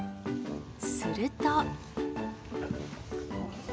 すると。